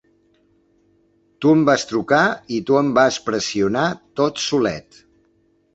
Tu em vas trucar i tu em vas pressionar tot solet.